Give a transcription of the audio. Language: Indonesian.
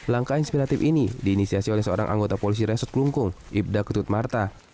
langkah inspiratif ini diinisiasi oleh seorang anggota polisi resort klungkung ibda ketut marta